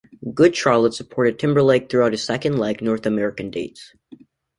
Good Charlotte supported Timberlake throughout his second leg North American dates.